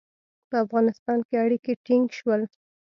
په افغانستان کې اړیکي ټینګ شول.